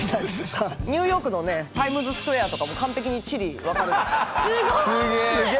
ニューヨークのねタイムズスクエアとかも完璧に地理分かる。